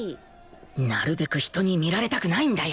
なるべく人に見られたくないんだよ